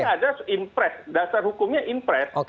ada impres dasar hukumnya impres